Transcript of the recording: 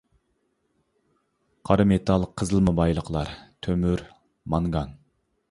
قارا مېتال قېزىلما بايلىقلار: تۆمۈر، مانگان.